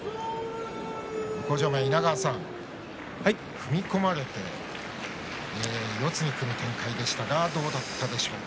向正面の稲川さん踏み込まれて、四つに組む展開でしたが、どうでしたか。